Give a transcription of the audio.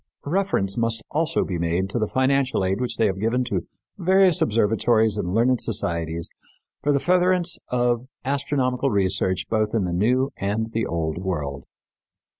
Reference must also be made to the financial aid which they have given to various observatories and learned societies for the furtherance of astronomical research both in the New and the Old World.